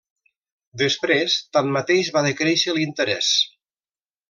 Després, tanmateix, va decréixer l'interès.